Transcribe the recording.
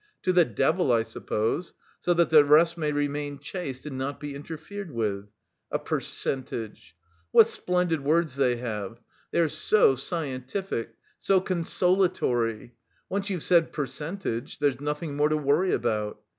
to the devil, I suppose, so that the rest may remain chaste, and not be interfered with. A percentage! What splendid words they have; they are so scientific, so consolatory.... Once you've said 'percentage' there's nothing more to worry about.